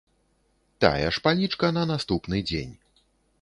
Тая ж палічка на наступны дзень.